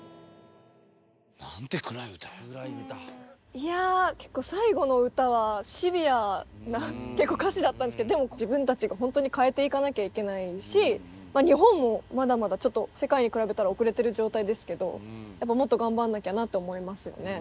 いや結構最後の歌はシビアな歌詞だったんですけどでも自分たちが本当に変えていかなきゃいけないし日本もまだまだちょっと世界に比べたら遅れてる状態ですけどやっぱりもっと頑張んなきゃなって思いますよね。